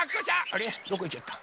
あれどこいっちゃった？